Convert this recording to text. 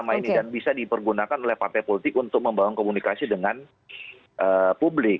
dan bisa dipergunakan oleh partai politik untuk membangun komunikasi dengan publik